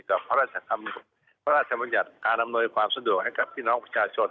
กับพระราชบัญญัติการอำนวยความสะดวกให้กับพี่น้องประชาชน